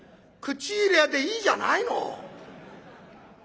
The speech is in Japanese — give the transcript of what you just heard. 口入れ屋でいいじゃないの。